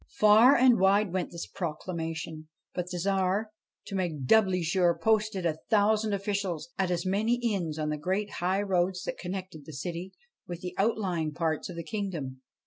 Far and wide went this proclamation, but the Tsar, to make doubly sure, posted a thousand officials at as many inns on the great high roads that connected the city with the outlying parts of the kingdom.